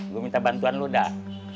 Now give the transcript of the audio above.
gue minta bantuan lo dah